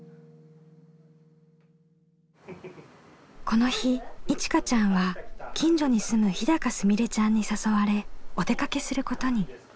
この日いちかちゃんは近所に住む日すみれちゃんに誘われお出かけすることに。